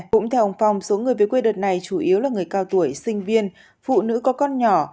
cũng theo ông phong số người về quê đợt này chủ yếu là người cao tuổi sinh viên phụ nữ có con nhỏ